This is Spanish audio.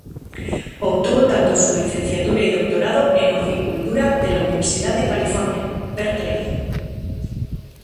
Obtuvo tanto su licenciatura y doctorado en horticultura de la Universidad de California, Berkeley.